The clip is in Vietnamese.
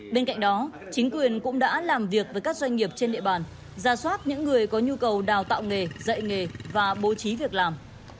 bên cạnh đó chính quyền cũng đã làm việc với các doanh nghiệp trên địa bàn ra soát những người có nhu cầu đào tạo nghề dạy nghề và bố trí việc làm